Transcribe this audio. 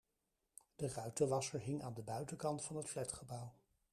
De ruitenwasser hing aan de buitenkant van het flatgebouw.